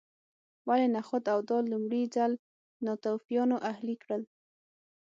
ولې نخود او دال لومړي ځل ناتوفیانو اهلي کړل